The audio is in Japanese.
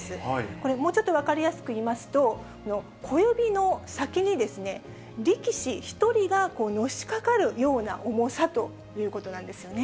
これ、もうちょっと分かりやすくいいますと、小指の先にですね、力士１人がのしかかるような重さということなんですよね。